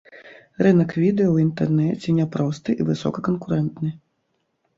Рынак відэа ў інтэрнэце няпросты і высокаканкурэнтны.